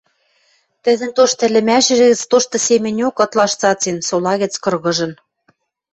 тӹдӹн тошты ӹлӹмӓшӹжӹ гӹц тошты семӹньок ытлаш цацен, сола гӹц кыргыжын.